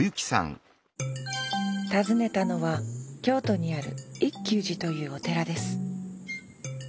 訪ねたのは京都にある一休寺というお寺です。